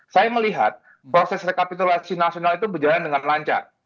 saya melihat proses rekapitulasi nasional itu berjalan dengan lancar